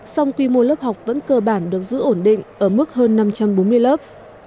song quy mô lớp học vẫn cơ bản được giữ ổn định ở mức hơn năm trăm bốn mươi lớp